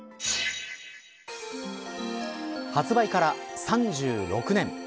発売から３６年。